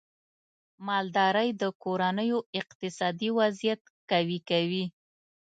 مالدارۍ د کورنیو اقتصادي وضعیت قوي کوي.